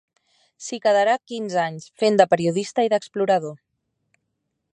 S'hi quedarà quinze anys, fent de periodista i d'explorador.